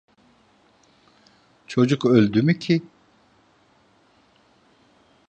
Çocuk öldü mü ki?